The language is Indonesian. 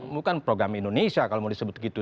bukan program indonesia kalau mau disebut gitu